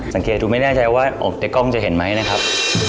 สังเกตดูไม่แน่ใจว่าแต่กล้องจะเห็นไหมนะครับ